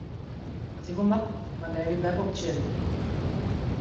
Dat hie wol moatten mar dêr wie beppe op tsjin.